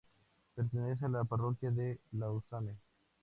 Pertenece a la parroquia de Lousame.